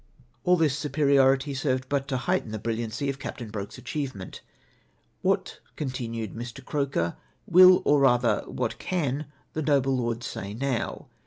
All this superiority served but to heighten the brilliancy of Captain Broke's achievement. What, continued Mr. Croker, will, or ra, ther what can, the noble lord say now?